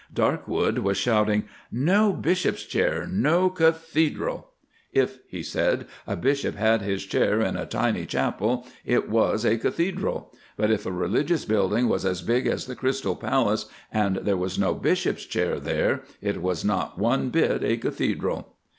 Darkwood was shouting, "No Bishop's Chair, no Cathedral." "If," he said, "a Bishop had his chair in a tiny chapel, it was a Cathedral, but if a religious building was as big as the Crystal Palace, and there was no Bishop's Chair there, it was not one bit a Cathedral."